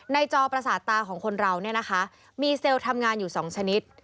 ในจอประสาทตาของคนเรามีเซลล์ทำงานอยู่๒ชนิด